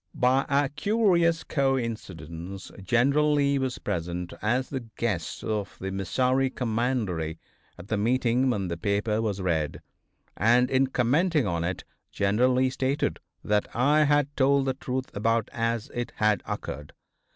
By a curious coincidence General Lee was present as the guest of the Missouri Commandery at the meeting when the paper was read, and, in commenting on it, General Lee stated that I had told the truth about as it had occurred.